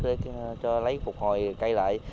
để lấy phục hồi cây lại